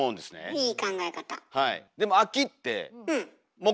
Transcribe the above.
いい考え方。